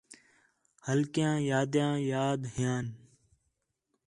ہلکیاں یادیاں یاد ھیان